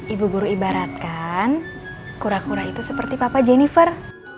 ibu guru ibaratkan kura kura itu seperti papa jennifer